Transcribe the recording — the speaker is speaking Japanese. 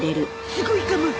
すごいかも。